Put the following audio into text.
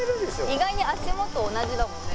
意外に足元同じだもんね。